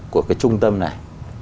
của cái trung tâm này